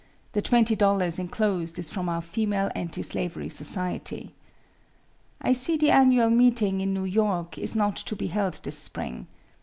The twenty dollars inclosed is from our Female Anti slavery Society. "I see the annual meeting, in New York, is not to be held this spring.